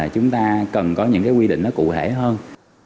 chúng ta cần có những quy định cụ thể hơn